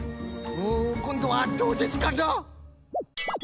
こんどはどうですかな？